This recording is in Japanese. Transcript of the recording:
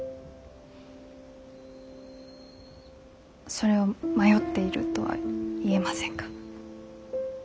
それを迷っているとは言えませんか？